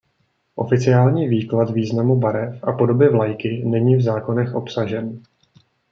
Oficiální výklad významu barev a podoby vlajky není v zákonech obsažen.